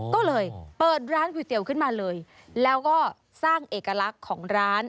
ก็เลยเปิดร้านก๋วยเตี๋ยวขึ้นมาเลยแล้วก็สร้างเอกลักษณ์ของร้าน